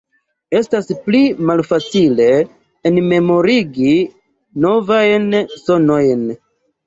Estas pli malfacile enmemorigi novajn sonojn.